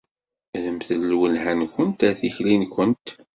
Rremt lwelha-nkent ar tikli-nkent.